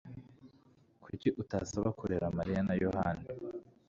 Kuki utasaba kurera Mariya na Yohana?